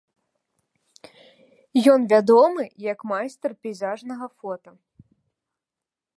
Ён вядомы як майстар пейзажнага фота.